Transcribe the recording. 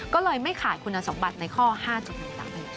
ก็เลยไม่ขายคุณสังบัติในข้อ๕๑ต่างประโยชน์